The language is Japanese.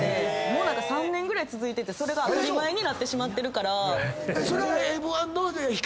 もう３年ぐらい続いててそれが当たり前になってしまってるから。